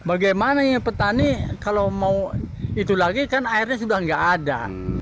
bagaimana petani kalau mau itu lagi kan airnya sudah tidak ada